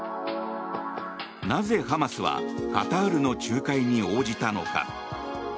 なぜハマスはカタールの仲介に応じたのか。